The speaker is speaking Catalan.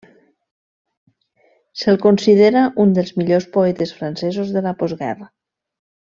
Se'l considera un dels millors poetes francesos de la postguerra.